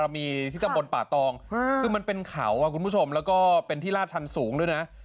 มันเป็นเขาคุณผู้ชมแล้วก็เป็นที่ลาดชั้นสูงด้วยนะ